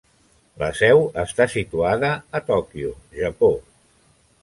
La seu està situada a Tòquio, Japó.